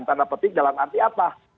tanda petik dalam arti apa